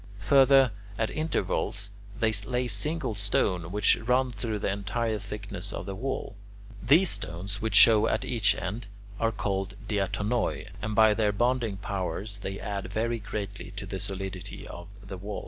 Further, at intervals they lay single stones which run through the entire thickness of the wall. These stones, which show at each end, are called [Greek: diatonoi], and by their bonding powers they add very greatly to the solidity of the walls.